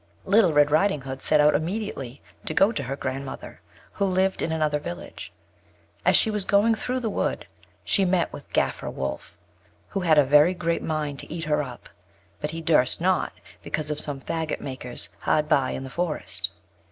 Little Red Riding Hood set out immediately to go to her grand mother, who lived in another village. As she was going thro' the wood, she met with Gaffer Wolf, who had a very great mind to eat her up, but he durst not, because of some faggot makers hard by in the forest.